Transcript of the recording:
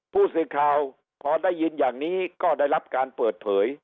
ผู้สื่อข่าวพอได้ยินอย่างนี้ก็ได้รับการเปิดเผย